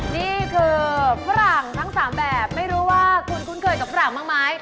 นี่คือฝรั่งทั้ง๓แบบไม่รู้ว่าคุณคุ้นเคยกับฝรั่งบ้างไหม